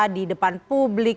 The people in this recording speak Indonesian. di depan publik